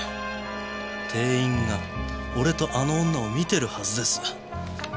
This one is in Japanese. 店員が俺とあの女を見てるはずです。